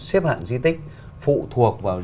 xếp hạng di tích phụ thuộc vào